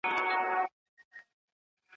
آزموينه دعوه ازمويي.